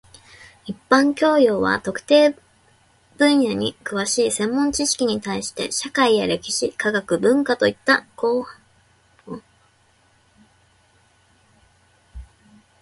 一般教養 （general knowledge） は、特定分野に詳しい専門知識に対して、社会や歴史、科学、文化といった広範な内容を指すことが多いです。